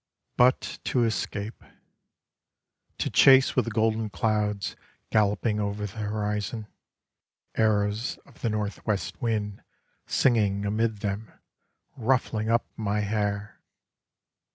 But to escape: To chase with the golden clouds galloping over the horizon: Arrows of the northwest wind Singing amid them, Ruffling up my hair!